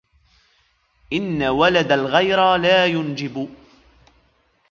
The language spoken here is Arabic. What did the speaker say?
إنَّ وَلَدَ الْغَيْرَى لَا يُنْجِبُ